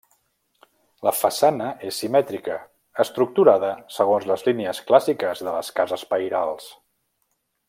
La façana és simètrica, estructurada segons les línies clàssiques de les cases pairals.